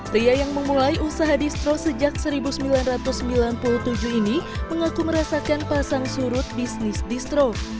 pria yang memulai usaha distro sejak seribu sembilan ratus sembilan puluh tujuh ini mengaku merasakan pasang surut bisnis distro